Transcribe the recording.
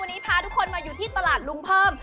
วันนี้พาทุกคนมาอยู่ที่ตลาดลุงเพิ่ม